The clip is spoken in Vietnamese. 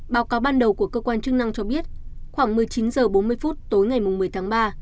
báo cáo ban đầu của cơ quan chức năng cho biết khoảng một mươi chín h bốn mươi phút tối ngày một mươi tháng ba